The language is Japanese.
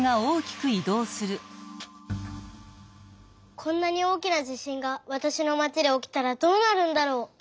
こんなにおおきな地しんがわたしのまちでおきたらどうなるんだろう？